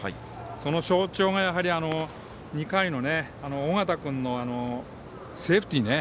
その象徴が、２回の尾形君のセーフティー。